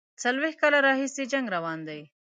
څلوېښت کاله راهیسي جنګ روان دی.